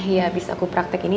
ya abis aku praktek ini